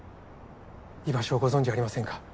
居場所をご存じありませんか？